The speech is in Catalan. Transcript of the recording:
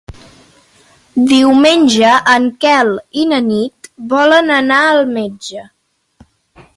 Diumenge en Quel i na Nit volen anar al metge.